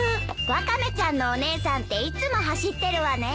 ワカメちゃんのお姉さんっていつも走ってるわね。